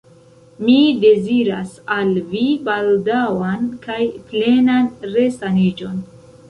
Mi deziras al vi baldaŭan kaj plenan resaniĝon.